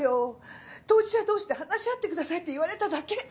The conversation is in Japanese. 当事者同士で話し合ってくださいって言われただけ。